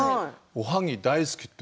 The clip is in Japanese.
おはぎ大好きって。